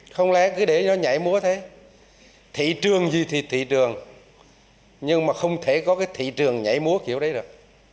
không lẽ cứ để nó nhảy múa thế thị trường gì thì thị trường nhưng mà không thể có cái thị trường nhảy múa kiểu đấy được